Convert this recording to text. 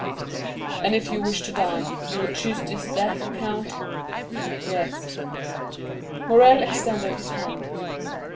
"And if you wished to die, you would choose this death, count?" "Yes." Morrel extended his hand.